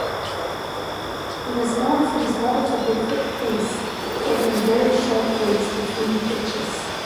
He was known for his relatively quick pace, taking very short breaks between pitches.